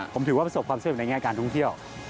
ผมถือว่าประสบความสำเร็จในแง่การท่องเที่ยว